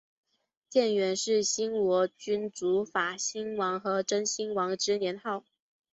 建元是新罗君主法兴王和真兴王之年号。